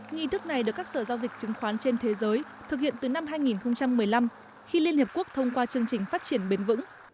nghi thức này được các sở giao dịch chứng khoán trên thế giới thực hiện từ năm hai nghìn một mươi năm khi liên hiệp quốc thông qua chương trình phát triển bền vững